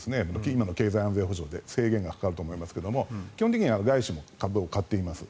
今の経済安全保障で制限がかかると思いますが基本的には外資も株を買っています。